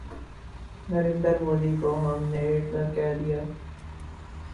نریندر مودی کو ہم نے ہٹلر کہہ دیا۔